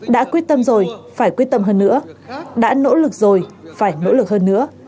đã quyết tâm rồi phải quyết tâm hơn nữa đã nỗ lực rồi phải nỗ lực hơn nữa